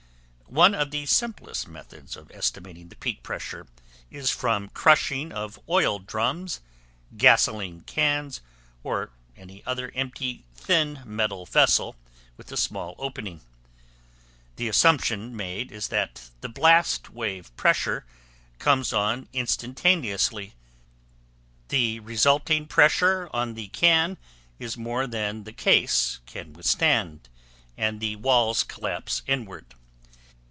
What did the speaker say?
One of the simplest methods of estimating the peak pressure is from crushing of oil drums, gasoline cans, or any other empty thin metal vessel with a small opening. The assumption made is that the blast wave pressure comes on instantaneously, the resulting pressure on the can is more than the case can withstand, and the walls collapse inward.